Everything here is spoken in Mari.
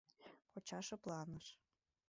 — Коча шыпланыш.